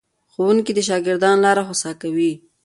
ښوونکي د شاګردانو لاره هوسا کوي.